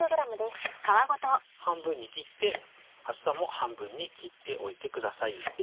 半分に切って厚さも半分に切っておいてください。